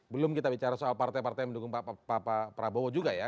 belum kita bicara soal partai partai yang mendukung pak prabowo juga ya